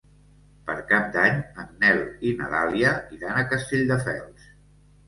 Per Cap d'Any en Nel i na Dàlia iran a Castelldefels.